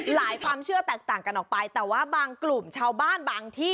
ความเชื่อแตกต่างกันออกไปแต่ว่าบางกลุ่มชาวบ้านบางที่